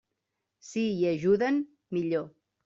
Si hi ajuden, millor.